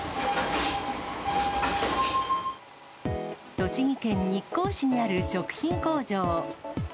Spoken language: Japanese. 栃木県日光市にある食品工場。